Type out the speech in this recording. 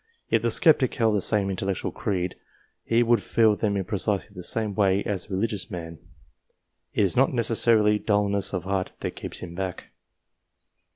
If the sceptic held the same intellectual creed, he would feel them in precisely the same way as the religious man. It is not necessarily dulness of heart that keeps him back.